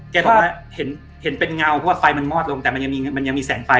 แกบอกว่าเห็นเป็นเงาเพราะว่าไฟมันมอดลงแต่มันยังมีแสงไฟ